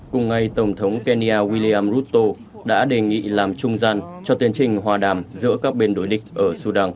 cùng ngày tổng thống kenya william rutto đã đề nghị làm trung gian cho tiến trình hòa đàm giữa các bên đối địch ở sudan